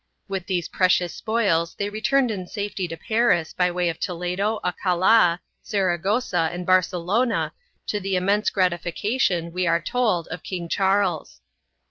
With these precious spoils they returned in safety to Paris, by way of Toledo, Alcala, Saragossa and Barcelona, to the immense gratification, we are told, of King Charles.